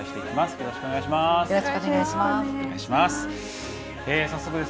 よろしくお願いします。